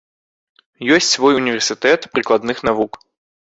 Ёсць свой універсітэт прыкладных навук.